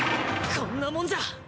こんなもんじゃ。